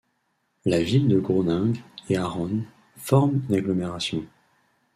La ville de Groningue et Haren forment une agglomération.